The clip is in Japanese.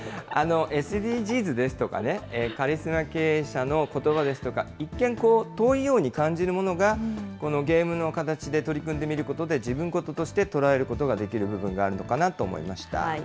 ＳＤＧｓですとか、カリスマ経営者のことばですとか、一見、遠いように感じるものが、このゲームの形で取り組んでみることで、自分ごととして捉えることができる部分があるのかなと思いました。